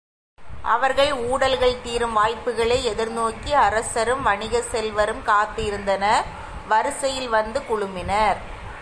அவர்கள் ஊடல்கள் தீரும் வாய்ப்புகளை எதிர்நோக்கி அரசரும் வணிகச் செல்வரும் காத்து இருந்தனர் வரிசையில் வந்து குழுமினர்.